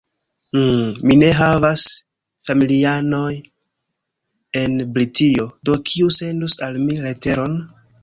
"Hm, mi ne havas familianojn en Britio, do kiu sendus al mi leteron?"